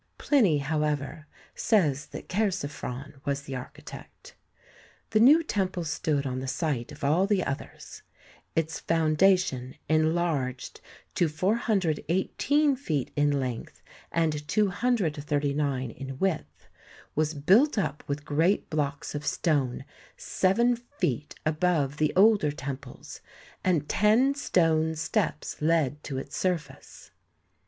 Pliny, however, says that Chersiphron was the architect. The new temple stood on the site of all the others. Its foundation, enlarged to 418 feet in length and 239 in width, was built up with great blocks of stone seven feet above the older temples, and ten stone steps led to its surface.